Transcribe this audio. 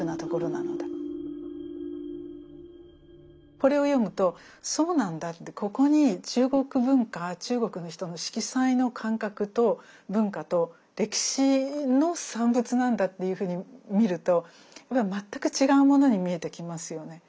これを読むと「そうなんだ」ってここに中国文化中国の人の色彩の感覚と文化と歴史の産物なんだというふうに見ると全く違うものに見えてきますよね。